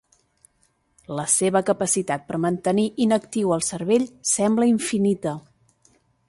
La seva capacitat per mantenir inactiu el cervell sembla infinita.